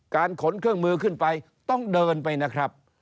ขนเครื่องมือขึ้นไปต้องเดินไปนะครับ